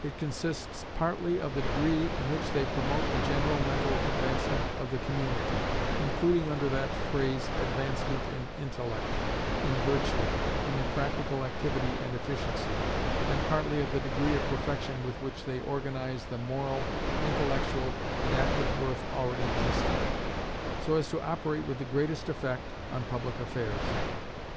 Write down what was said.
It consists partly of the degree in which they promote the general mental advancement of the community, including under that phrase advancement in intellect, in virtue, and in practical activity and efficiency, and partly of the degree of perfection with which they organize the moral, intellectual, and active worth already existing, so as to operate with the greatest effect on public affairs.